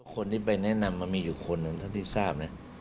คนที่ไปแนะนำมันมีอยู่คนหนึ่งเท่าที่ทราบนะ